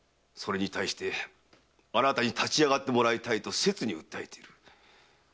それに対しあなたに立ち上がってもらいたいと切に訴えている。